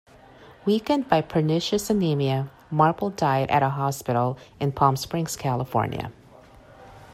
Weakened by pernicious anaemia, Marble died at a hospital in Palm Springs, California.